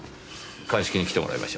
鑑識に来てもらいましょう。